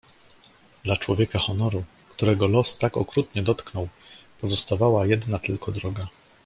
"Dla człowieka honoru, którego los tak okrutnie dotknął, pozostawała jedna tylko droga."